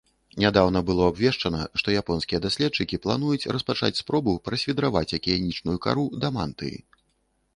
Нядаўна было абвешчана, што японскія даследчыкі плануюць распачаць спробу прасвідраваць акіянічную кару да мантыі.